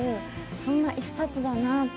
そんな一冊だなって。